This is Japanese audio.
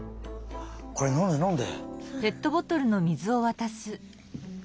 これのんでのんで。